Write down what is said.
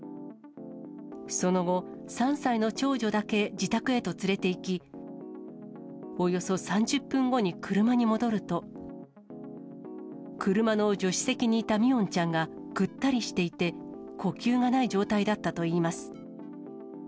その後、３歳の長女だけ自宅へと連れていき、およそ３０分後に車に戻ると、車の助手席にいた三櫻音ちゃんがぐったりしていて、呼吸がない状態だったといいます。